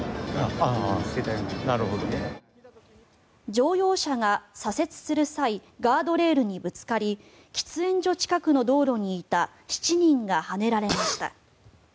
乗用車が左折する際ガードレールにぶつかり喫煙所近くの道路にいた７人がはねられました。